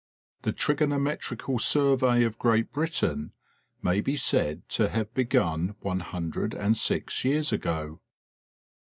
The trigonometrical survey of Great Britain may be said to have been begun one hundred and six years ago.